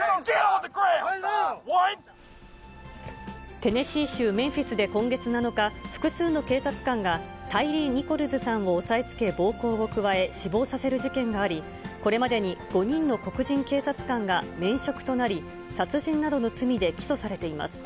テネシー州メンフィスで今月７日、複数の警察官が、タイリー・ニコルズさんを押さえつけ、暴行を加え、死亡させる事件があり、これまでに５人の黒人警察官が免職となり、殺人などの罪で起訴されています。